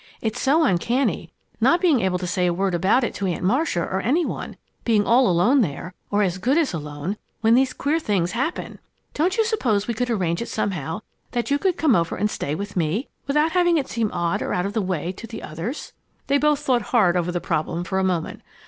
It's so uncanny, not being able to say a word about it to Aunt Marcia or any one being all alone there, or as good as alone, when these queer things happen. Don't you suppose we could arrange it somehow that you could come over and stay with me without having it seem odd or out of the way to the others?" They both thought hard over the problem for a moment.